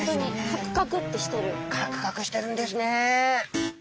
カクカクしてるんですね。